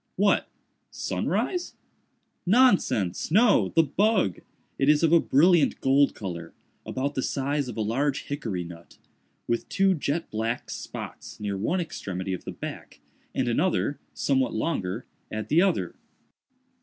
"What?—sunrise?" "Nonsense! no!—the bug. It is of a brilliant gold color—about the size of a large hickory nut—with two jet black spots near one extremity of the back, and another, somewhat longer, at the other.